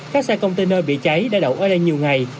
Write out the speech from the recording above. các xe container bị cháy đã đậu ở đây nhiều ngày